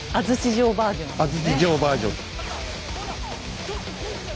安土城バージョンですね。